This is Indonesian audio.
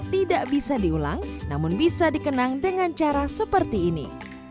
tidak bisa diulang namun bisa dikenang dengan cara seperti ini